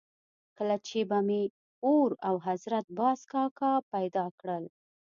کله چې به مې اور او حضرت باز کاکا پیدا کړل.